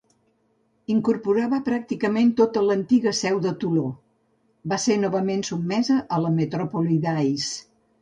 Incorporava pràcticament tota l'antiga seu de Toló; va ser novament sotmesa a la metròpoli d'Ais.